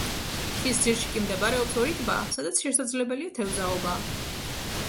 მთის ძირში კი მდებარეობს ორი ტბა, სადაც შესაძლებელია თევზაობა.